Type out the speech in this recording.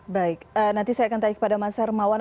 baik nanti saya akan tanya kepada mas hermawan